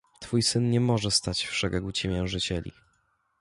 Twój syn niemoże stać w szeregu ciemiężycieli.